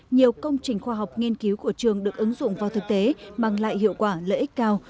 nhiều công trình khoa học nghiên cứu của trường được ứng dụng vào thực tế mang lại hiệu quả lợi ích cao